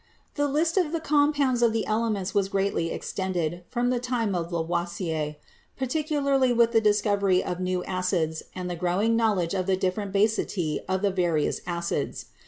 The list of the compounds of the elements was greatly extended from the time of Lavoisier, particularly with the discovery of new acids and the growing knowledge of the different basicity of the various acids.